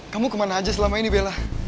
kamu kemana aja selama ini bella